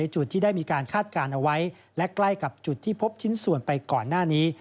จุดที่พบชิ้นส่วนไปก่อนหน้านี้